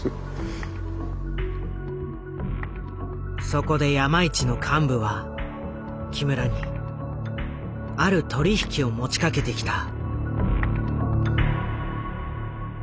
そこで山一の幹部は木村にある取り引きを持ちかけてきた。